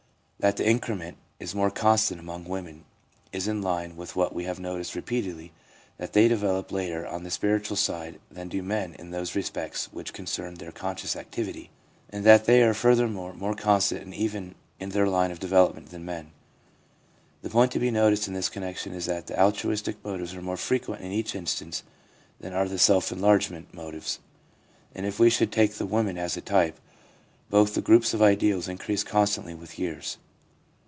That the incre ment is more constant among women is in line with what we have noticed repeatedly that they develop later on the spiritual side than do men in those respects which concern their conscious activity, and that they are furthermore more constant and even in their line of development than men. The point to be noticed in this connection is that the altruistic motives are more frequent in each instance than are the self enlargement motives, and if we should take the women as a type, both the groups of ideals increase constantly with years.